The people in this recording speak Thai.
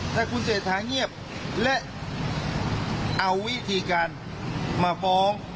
ถ้าคุณเศรษฐาเงียบและเอาวิธีการมาฟ้อง